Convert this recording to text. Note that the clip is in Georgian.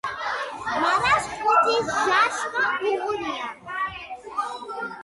მარას ხუთი ჟაშხა უღუნია